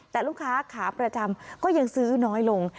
แต่ลูกค้าขาประจำก็ยังซื้อน้อยลง